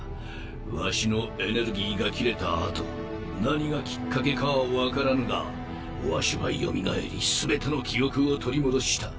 ワシのエネルギーが切れた後何がきっかけかは分からぬがワシはよみがえり全ての記憶を取り戻した。